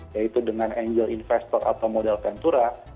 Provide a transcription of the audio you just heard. yaitu dengan angel investor atau modal ventura